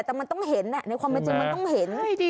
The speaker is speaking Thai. แต่มันต้องเห็นในความเป็นจริงมันต้องเห็น